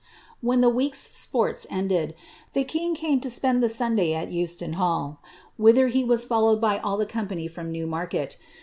When the week^s sports ended, the king came to spend the Sunday at Euston halK whither he was followed by all the company from New market.